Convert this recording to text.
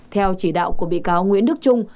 theo chỉ đạo của bị cáo nguyễn đức trung